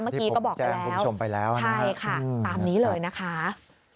เมื่อกี้ก็บอกแล้วใช่ค่ะตามนี้เลยนะคะที่ผมแจ้งคุณผู้ชมไปแล้ว